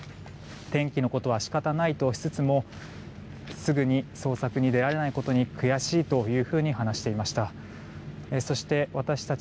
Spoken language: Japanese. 天気のことは仕方ないとしつつもすぐに捜索に出られないことに悔しいというふうに話していました。